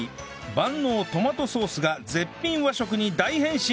万能トマトソースが絶品和食に大変身